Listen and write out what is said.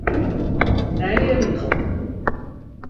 Nije rigel.